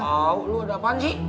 loh lo ada apaan sih